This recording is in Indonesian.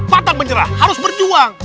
patah menyerah harus berjuang